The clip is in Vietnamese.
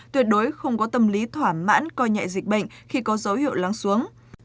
tuyệt đối không có tâm lý thỏa mãn coi nhẹ dịch bệnh khi có dấu hiệu lắng xuống